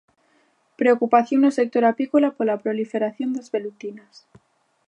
Preocupación no sector apícola pola proliferación das velutinas.